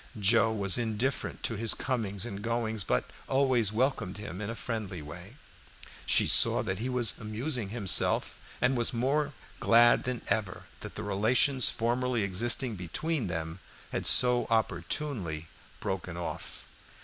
Joe was indifferent to his comings and goings, but always welcomed him in a friendly way. She saw that he was amusing himself, and was more glad than ever that the relations formerly existing between them had been so opportunely broken off.